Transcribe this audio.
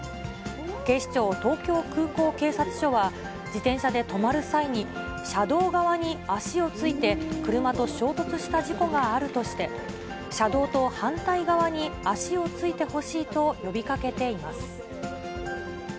警視庁東京空港警察署は、自転車で止まる際に、車道側に足をついて、車と衝突した事故があるとして、車道と反対側に足をついてほしいと呼びかけています。